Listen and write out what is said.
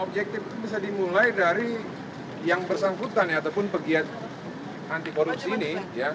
objektif itu bisa dimulai dari yang bersangkutan ataupun pegiat anti korupsi ini